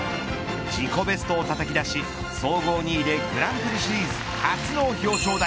自己ベストをたたき出し総合２位でグランプリシリーズ初の表彰台。